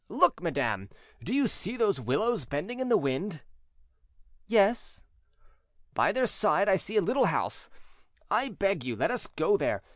Look, madame, do you see those willows bending in the wind?" "Yes." "By their side I see a little house; I beg you, let us go there.